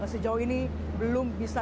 sejauh ini belum bisa